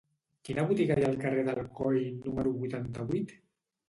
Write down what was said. Quina botiga hi ha al carrer d'Alcoi número vuitanta-vuit?